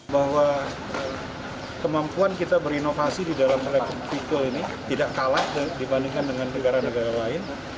bahwa kemampuan kita berinovasi di dalam pikul ini tidak kalah dibandingkan dengan negara negara lain